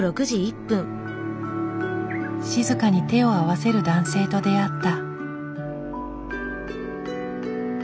静かに手を合わせる男性と出会った。